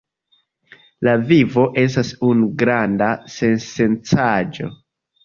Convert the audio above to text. La vivo estas unu granda sensencaĵo.